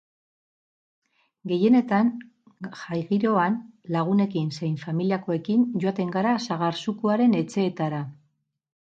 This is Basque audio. Gehienetan jai giroan, lagunekin zein familiakoekin, joaten gara sagar-zukuaren etxeetara.